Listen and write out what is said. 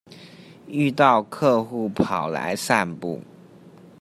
遇到客戶跑來散步